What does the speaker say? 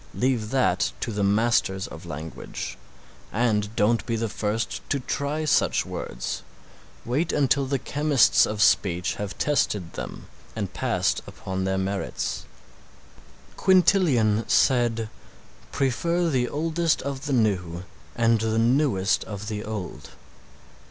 Leave that to the Masters of language, and don't be the first to try such words, wait until the chemists of speech have tested them and passed upon their merits. Quintilian said "Prefer the oldest of the new and the newest of the old."